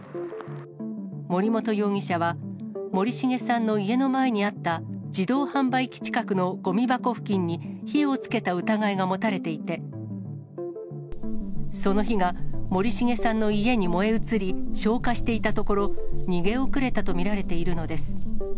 森本容疑者は森重さんの家の前にあった自動販売機近くのごみ箱付近に、火をつけた疑いが持たれていて、その火が森重さんの家に燃え移り、消火していたところ、逃げ遅れたと見られているのです。